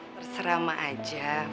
terserah ma aja